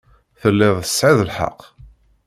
Telliḍ tesɛiḍ lḥeqq.